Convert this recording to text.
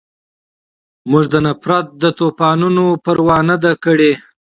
مونږ د نفرت د طوپانونو پروا نه ده کړې